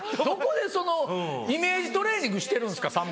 どこでそのイメージトレーニングしてるんですか？